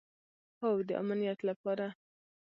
هو، د امنیت لپاره